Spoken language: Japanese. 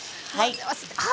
あ！